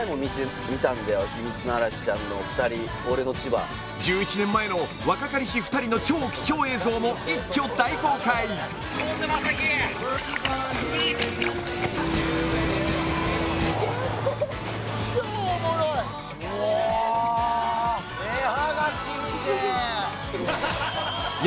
は１１年前の若かりし２人の超貴重映像も一挙大公開おおっ！